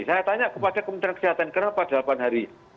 saya tanya kepada kementerian kesehatan kenapa delapan hari